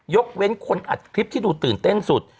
ยกเว้นคนอัดคลิปที่ดูตื่นเต้นสุด